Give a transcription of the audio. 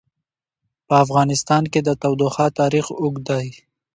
په افغانستان کې د تودوخه تاریخ اوږد دی.